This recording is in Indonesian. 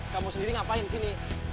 kamu sendiri ngapain disini